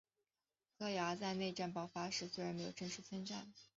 葡萄牙在内战爆发时虽没有正式宣战。